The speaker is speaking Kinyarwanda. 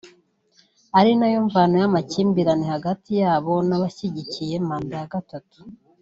ari na yo mvano y’amakimbirane hagati ya bo n’abashyigikiye manda ya gatatu